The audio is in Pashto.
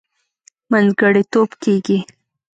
منځګړتوب کېږي.